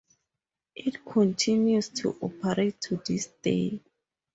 It continues to operate to this day.